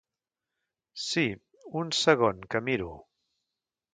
Si, un segon que miro.